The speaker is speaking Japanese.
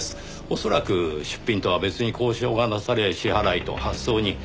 恐らく出品とは別に交渉がなされ支払いと発送にフリマ